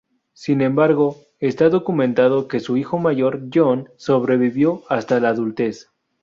Sin embargo, está documentado que su hijo mayor, John, sobrevivió hasta la adultez.